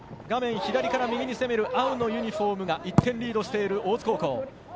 画面左から右に攻める青のユニホームが１点リードしている大津高校。